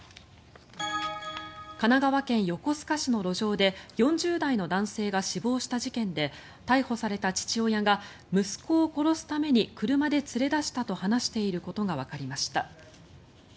神奈川県横須賀市の路上で４０代の男性が死亡した事件で逮捕された父親が息子を殺すために車で連れ出したと話していることがわかりました。